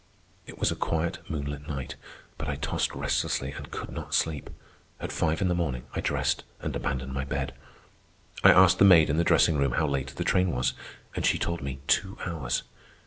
It was a quiet moonlight night, but I tossed restlessly and could not sleep. At five in the morning I dressed and abandoned my bed. I asked the maid in the dressing room how late the train was, and she told me two hours.